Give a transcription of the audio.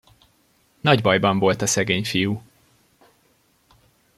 Nagy bajban volt a szegény fiú!